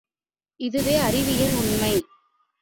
இதுவே அறிவியல் உண்மை.